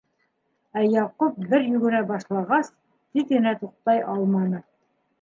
Ә Яҡуп, бер йүгерә башлағас, тиҙ генә туҡтай алманы.